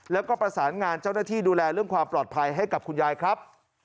แล้วก็ประสานงานเจ้าหน้าที่ดูแลเรื่องความปลอดภัยให้กับคุณยายครับ